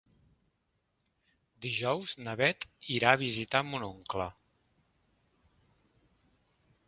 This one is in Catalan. Dijous na Beth irà a visitar mon oncle.